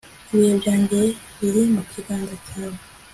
ibihe byanjye biri mu kiganza cyawe